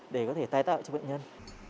để có thể tái tạo cho bệnh nhân